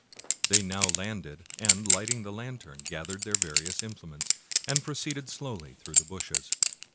They now landed, and lighting the lantern gathered their various implements and proceeded slowly through the bushes.